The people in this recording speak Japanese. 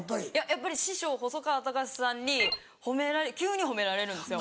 やっぱり師匠細川たかしさんに急に褒められるんですよ。